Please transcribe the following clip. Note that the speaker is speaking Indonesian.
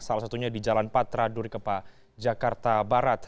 salah satunya di jalan patra durkepa jakarta barat